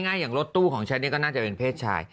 อย่างรถตู้ของฉันนี่ก็น่าจะเป็นเพศชาย